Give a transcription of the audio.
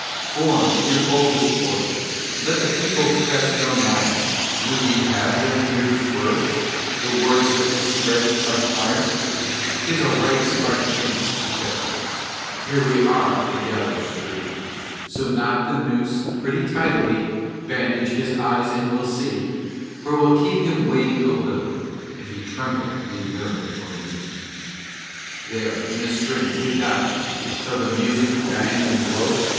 Form, in your boldest order, Let the people press no nigher! Would ye have them hear to his words The words that may spread like fire? 'Tis a right smart chance to test him (Here we are at the gallows tree), So knot the noose pretty tightly Bandage his eyes, and we'll see (For we'll keep him waiting a little), If he tremble in nerve or knee. There, in a string, we've got him! (Shall the music bang and blow?)